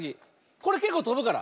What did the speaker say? これけっこうとぶから。